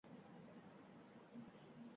Qo‘lingdan kelmasa, menga qo‘yib ber…